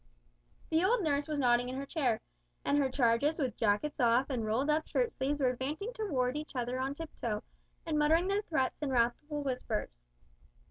The old nurse was nodding in her chair, and her charges with jackets off and rolled up shirt sleeves were advancing toward each other on tiptoe, and muttering their threats in wrathful whispers.